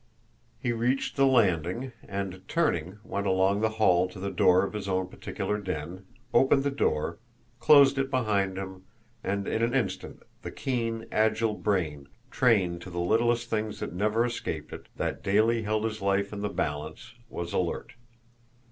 He reached the landing, and, turning, went along the hall to the door of his own particular den, opened the door, closed it behind him and in an instant the keen, agile brain, trained to the little things that never escaped it, that daily held his life in the balance, was alert.